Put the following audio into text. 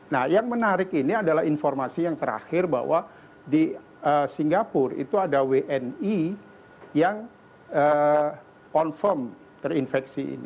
nah yang menarik ini adalah informasi yang terakhir bahwa di singapura itu ada wni yang confirm terinfeksi ini